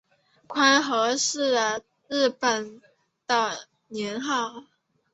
宽和是日本的年号。